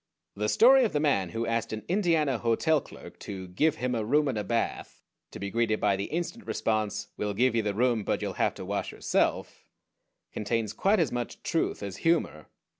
The story of the man who asked an Indiana hotel clerk to "give" him "a room and a bath," to be greeted by the instant response, "We'll give you the room; but you'll have to wash yourself," contains quite as much truth as humor.